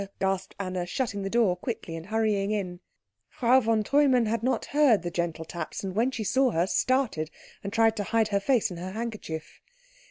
gasped Anna, shutting the door quickly and hurrying in. Frau von Treumann had not heard the gentle taps, and when she saw her, started, and tried to hide her face in her handkerchief.